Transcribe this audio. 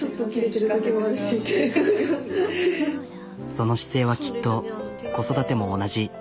その姿勢はきっと子育ても同じ。